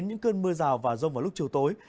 những cơn mưa rào và rông vào lúc chiều tối